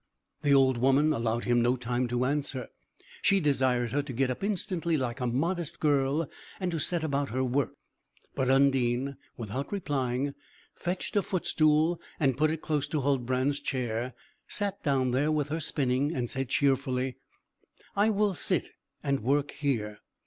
The old woman allowed him no time to answer. She desired her to get up instantly, like a modest girl, and to set about her work. But Undine, without replying, fetched a footstool and put it close to Huldbrand's chair, sat down there with her spinning, and said cheerfully "I will sit and work here."